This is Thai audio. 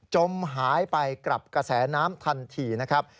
จมหายไปกับกระแสน้ำทันทีนะครับ